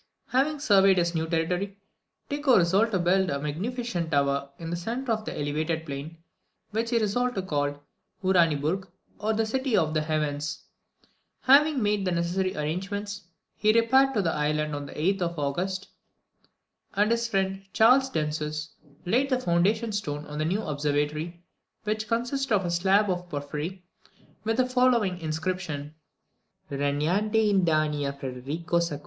Having surveyed his new territory, Tycho resolved to build a magnificent tower in the centre of the elevated plain, which he resolved to call Uraniburg, or The City of the Heavens. Having made the necessary arrangements, he repaired to the island on the 8th of August, and his friend Charles Danzeus laid the foundation stone of the new observatory, which consisted of a slab of porphyry, with the following inscription: REGNANTE IN DANIA FREDERICO II.